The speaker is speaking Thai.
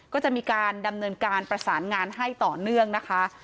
ก็จะมีการดำเนินการประสานงานให้ต่อเนื่องนะคะ